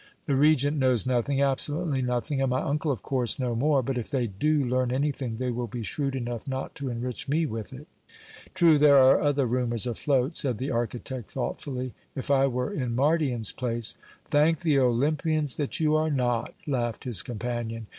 The Regent knows nothing, absolutely nothing, and my uncle, of course, no more. But if they do learn anything they will be shrewd enough not to enrich me with it." "True, there are other rumours afloat," said the architect thoughtfully. "If I were in Mardion's place " "Thank the Olympians that you are not," laughed his companion.